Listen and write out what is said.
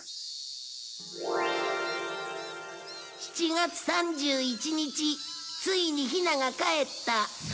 ７月３１日ついにヒナがかえった